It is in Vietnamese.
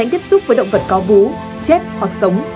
tiếp xúc với động vật có bú chép hoặc sống